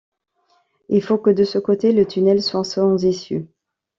Il faut que, de ce côté, le tunnel soit sans issue.